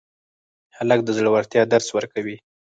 هلک د زړورتیا درس ورکوي.